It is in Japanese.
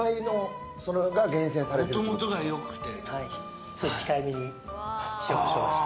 もともとが良くて。